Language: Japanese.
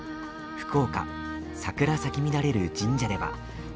福岡、桜咲き乱れる神社では。